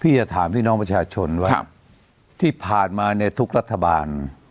พี่จะถามพี่น้องประชาชนว่าครับที่ผ่านมาในทุกรัฐบาล